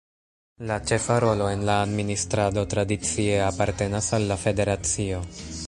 La ĉefa rolo en la administrado tradicie apartenas al la federacio.